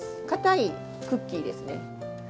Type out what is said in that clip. かたいクッキーですね。